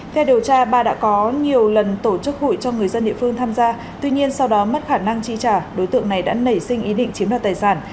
theo điều tra ba đã có nhiều lần tổ chức hụi cho người dân địa phương tham gia tuy nhiên sau đó mất khả năng chi trả đối tượng này đã nảy sinh ý định chiếm đoạt tài sản